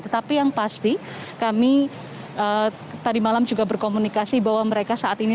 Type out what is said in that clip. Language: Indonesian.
tetapi yang pasti kami tadi malam juga berkomunikasi bahwa mereka saat ini